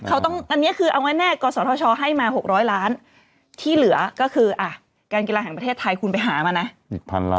เขาต้องอันนี้คือเอาง่ายกศธชให้มา๖๐๐ล้านที่เหลือก็คือการกีฬาแห่งประเทศไทยคุณไปหามานะ